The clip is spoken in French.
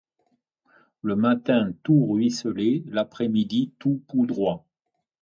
Le matin tout ruisselait, l’après-midi tout poudroie.